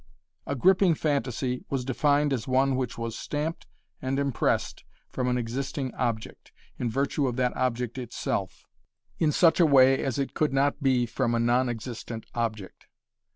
A gripping phantasy was defined as one which was stamped and impressed from an existing object, in virtue of that object itself, in such a way as it could not be from a non existent object.